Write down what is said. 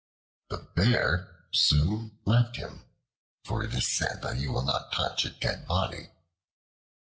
The Bear soon left him, for it is said he will not touch a dead body.